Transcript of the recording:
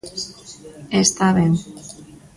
E está ben.